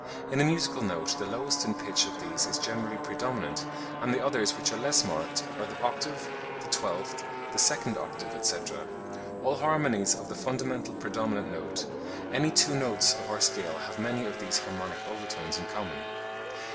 In a musical note the lowest in pitch of these is generally predominant, and the others which are less marked are the octave, the twelfth, the second octave, etc., all harmonies of the fundamental predominant note; any two notes of our scale have many of these harmonic over tones in common.